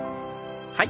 はい。